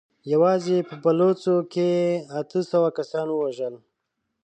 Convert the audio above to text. يواځې په بلوڅو کې يې اته سوه کسان ووژل.